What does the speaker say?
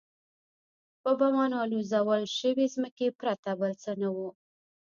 په بمانو الوزول شوې ځمکې پرته بل څه نه وو.